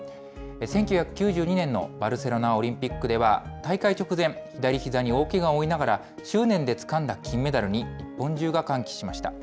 １９９２年のバルセロナオリンピックでは、大会直前、左ひざに大けがを負いながら執念でつかんだ金メダルに日本中が歓喜しました。